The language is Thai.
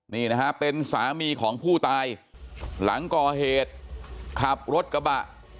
นี่นะฮะเป็นสามีของผู้ตายหลังก่อเหตุขับรถกระบะ